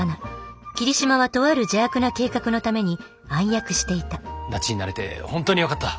桐島はとある邪悪な計画のために暗躍していたダチになれて本当によかった。